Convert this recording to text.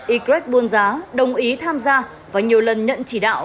y greg buôn giá đồng ý tham gia và nhiều lần nhận chỉ đạo